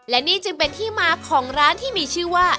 และนี่จึงเป็นที่มาของร้านที่มีชื่อว่า